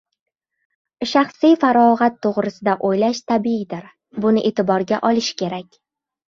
Shaxsiy farog‘at to‘g‘risida o‘ylash tabiiydir, buni e’tiborga olish kerak.